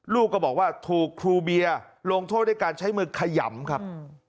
ลูกก็บอกว่าถูกครูเบียร์ลงโทษด้วยการใช้มือขยำครับ